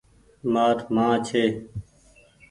مآر مان ڇي۔